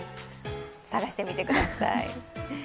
探してみてください。